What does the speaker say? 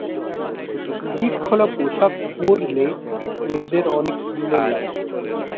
পিঠ খোলা পোশাক পড়লে মেয়েদের অনেক সুন্দর লাগে।